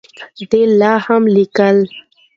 دی لا هم لیکي.